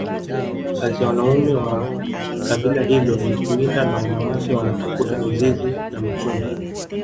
kazi ya Wanaume wa kabila hilo ni kuwinda na wanawake wanatafuta mizizi na matunda